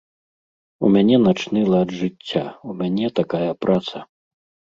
У мяне начны лад жыцця, у мяне такая праца.